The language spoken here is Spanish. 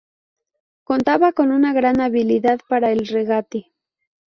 Contaba con una gran habilidad para el regate.